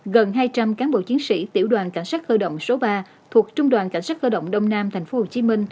gần hai trăm linh cán bộ chiến sĩ tiểu đoàn cảnh sát cơ động số ba thuộc trung đoàn cảnh sát cơ động đông nam tp hcm